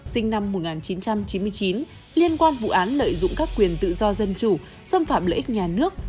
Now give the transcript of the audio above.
sinh năm một nghìn chín trăm chín mươi chín liên quan vụ án lợi dụng các quyền tự do dân chủ xâm phạm lợi ích nhà nước